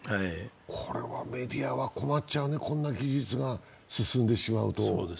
これはメディアは困っちゃうね、こんな技術が進んでしまうと。